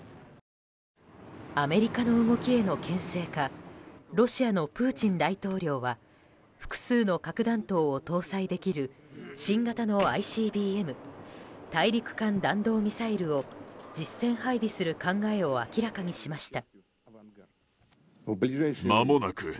アメリカの動きへの牽制かロシアのプーチン大統領は複数の核弾頭を搭載できる新型のＩＣＢＭ・大陸間弾道ミサイルを実戦配備する考えを明らかにしました。